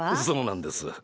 そうなんです。